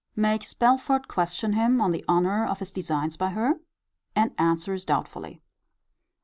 Makes Belford question him on the honour of his designs by her: and answers doubtfully.